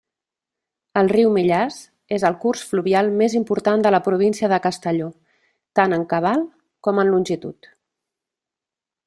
El riu Millars és el curs fluvial més important de la província de Castelló, tant en cabal com en longitud.